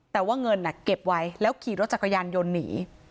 แต่ว่าเงินเก็บไว้แล้วขี่รถจักรยานยนต์หนี